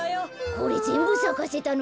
これぜんぶさかせたの？